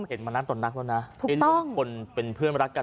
เห็นมานักต่อนักแล้วนะคนเป็นเพื่อนรักกัน